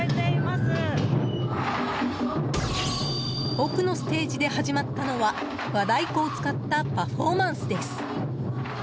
奥のステージで始まったのは和太鼓を使ったパフォーマンスです。